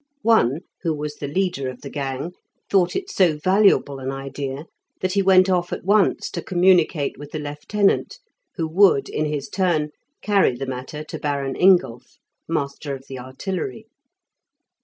One, who was the leader of the gang, thought it so valuable an idea that he went off at once to communicate with the lieutenant, who would in his turn carry the matter to Baron Ingulph, Master of the Artillery.